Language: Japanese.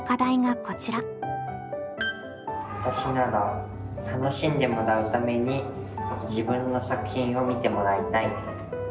わたしなら楽しんでもらうために自分の作品を見てもらいたい。